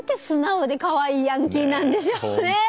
素直でかわいいヤンキーなんでしょうね。